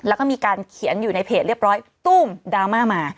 แล้วก็มีการเขียนอยู่ในเพจเรียบร้อยตู้มดราม่ามา